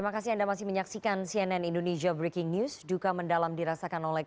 cnn indonesia breaking news